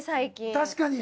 確かに！